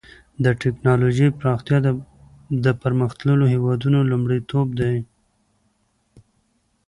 د ټکنالوجۍ پراختیا د پرمختللو هېوادونو لومړیتوب دی.